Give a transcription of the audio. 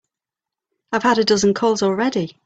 I've had a dozen calls already.